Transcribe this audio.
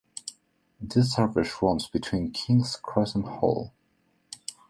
This service runs between King's Cross and Hull.